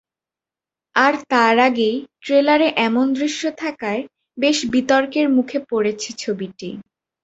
আর তার আগেই ট্রেলারে এমন দৃশ্য থাকায় বেশ বিতর্কের মুখে পড়েছে ছবিটি।